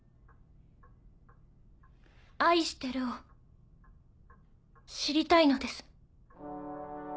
「愛してる」を知りたいのです。